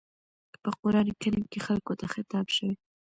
په قرآن کريم کې خلکو ته خطاب شوی.